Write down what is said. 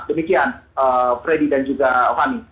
demikian freddy dan juga fani